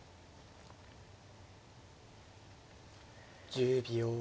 １０秒。